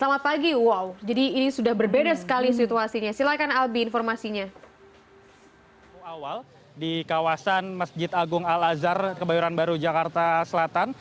awal di kawasan masjid agung al azhar kebayoran baru jakarta selatan